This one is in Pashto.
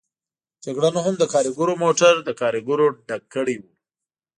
جګړن هم د کاریګرو موټر له کاریګرو ډک کړی و.